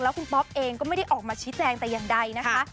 คุณป๊อปเองก็ไม่ได้ออกมาชี้แจงแต่อย่างใดนะคะ